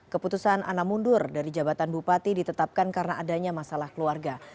keputusan ana mundur dari jabatan bupati ditetapkan karena adanya masalah keluarga